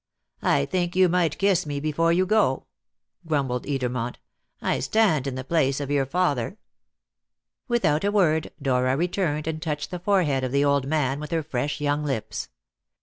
"I think you might kiss me before you go," grumbled Edermont. "I stand in the place of your father." Without a word, Dora returned and touched the forehead of the old man with her fresh young lips.